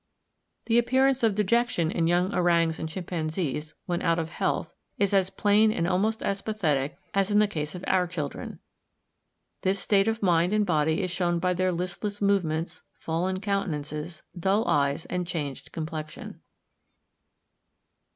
The appearance of dejection in young orangs and chimpanzees, when out of health, is as plain and almost as pathetic as in the case of our children. This state of mind and body is shown by their listless movements, fallen countenances, dull eyes, and changed complexion.